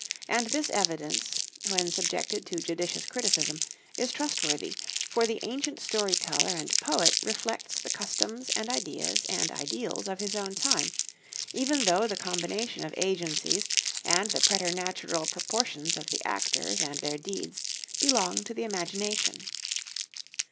And this evidence, when subjected to judicious criticism, is trustworthy; for the ancient story teller and poet reflects the customs and ideas and ideals of his own time, even though the combination of agencies and the preternatural proportions of the actors and their deeds belong to the imagination.